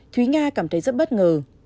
thúy nga cảm thấy rất bất ngờ